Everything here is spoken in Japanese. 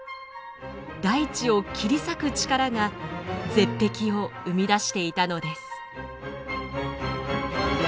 大地を切り裂く力が絶壁を生み出していたのです。